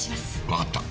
わかった。